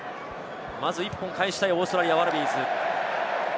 まず１本返したいオーストラリア・ワラビーズ。